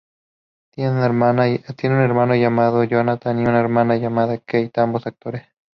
Tiene un hermano llamado Jonathan y una hermana llamada Kate, ambos actores.